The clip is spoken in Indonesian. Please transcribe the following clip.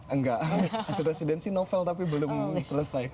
enggak hasil residensi novel tapi belum selesai